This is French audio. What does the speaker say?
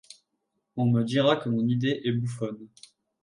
On me dira que mon idée est bouffonne.